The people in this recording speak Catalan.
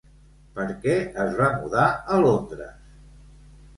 Per què es va mudar a Londres?